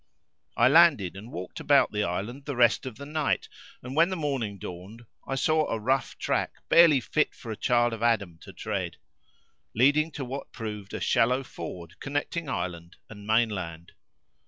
I landed and walked about the island the rest of the night and, when morning dawned, I saw a rough track barely fit for child of Adam to tread, leading to what proved a shallow ford connecting island and mainland.